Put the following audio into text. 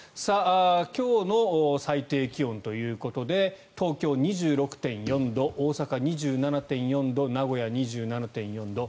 今日の最低気温ということで東京、２６．４度大阪、２７．４度名古屋２７．４度。